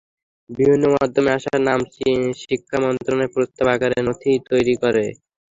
বিভিন্ন মাধ্যমে আসা নাম শিক্ষা মন্ত্রণালয় প্রস্তাব আকারে নথি তৈরি করে।